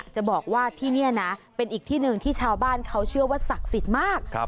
จะบอกว่าที่นี่นะเป็นอีกที่หนึ่งที่ชาวบ้านเขาเชื่อว่าศักดิ์สิทธิ์มาก